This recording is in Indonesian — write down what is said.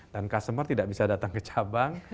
dan customer tidak bisa datang ke cabang